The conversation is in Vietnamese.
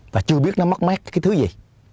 và chưa biết nó mất mát cái thứ gì